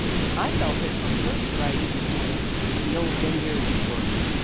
I felt it from first rising this morning the old demiurge at work!